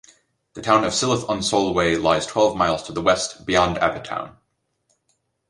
The town of Silloth-on-Solway lies twelve miles to the west, beyond Abbeytown.